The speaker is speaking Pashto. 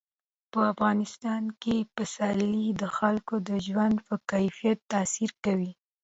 په افغانستان کې پسرلی د خلکو د ژوند په کیفیت تاثیر کوي.